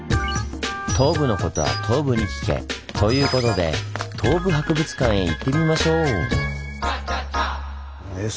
東武のことは東武に聞け！ということで東武博物館へ行ってみましょう！